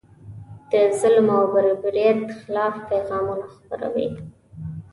د ظلم او بربریت خلاف پیغامونه خپروي.